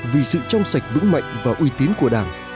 vì sự trong sạch vững mạnh và uy tín của đảng